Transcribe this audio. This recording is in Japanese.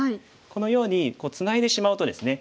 このようにツナいでしまうとですね